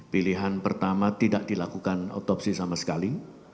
pilihan pertama tidak dilakukan otopsi sama sekali